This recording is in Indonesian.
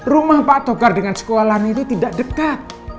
rumah fatogar dengan sekolah lain itu tidak dekat